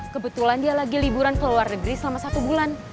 kebetulan dia lagi liburan ke luar negeri selama satu bulan